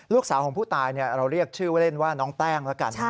ลูกสาวของผู้ตายเราเรียกชื่อว่าเล่นว่าน้องแป้งแล้วกัน